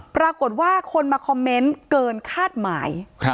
ปรากฏว่าคนมาคอมเมนต์เกินคาดหมาย